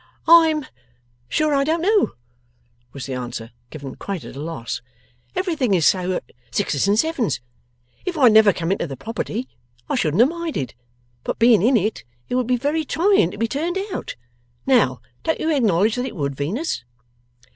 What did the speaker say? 'I am sure I don't know,' was the answer, given quite at a loss. 'Everything is so at sixes and sevens. If I had never come into the property, I shouldn't have minded. But being in it, it would be very trying to be turned out; now, don't you acknowledge that it would, Venus?